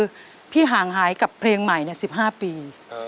คือพี่ห่างหายกับเพลงใหม่๑๕ปี